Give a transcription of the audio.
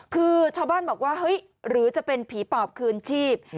คือชาวบ้านบอกว่าเฮ้ยหรือจะเป็นผีปอบคืนชีพ